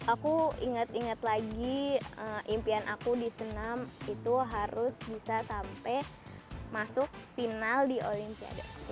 aku inget inget lagi impian aku di senam itu harus bisa sampai masuk final di olimpiade